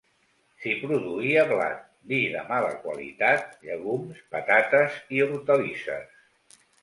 S'hi produïa blat, vi de mala qualitat, llegums, patates i hortalisses.